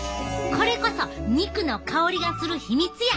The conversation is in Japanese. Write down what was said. これこそ肉の香りがする秘密や！